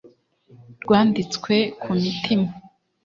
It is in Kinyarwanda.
Rwanditswe ku mitima